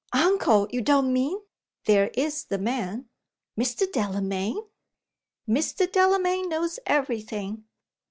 "Uncle! you don't mean ?" "There is the man." "Mr. Delamayn !" "Mr. Delamayn knows every thing."